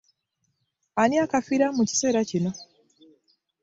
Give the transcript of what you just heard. Ani akafiiramu mu kiseera kino?